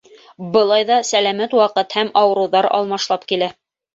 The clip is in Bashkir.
Был айҙа сәләмәт ваҡыт һәм ауырыуҙар алмашлап килә.